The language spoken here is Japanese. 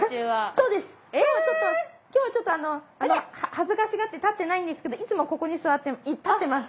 そうです今日はちょっと恥ずかしがって立ってないんですけどいつもはここに座って立ってます。